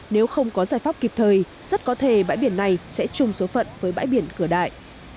nếu không có giải pháp kịp thời rất có thể bãi biển này sẽ chung số phận với bãi biển cửa đại